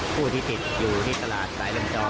ผู้ที่ติดอยู่ที่ตลาดสายลึมจอยนะครับ